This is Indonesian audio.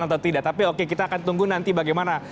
atau tidak tapi oke kita akan tunggu nanti bagaimana